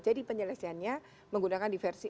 jadi penyelesaiannya menggunakan diversi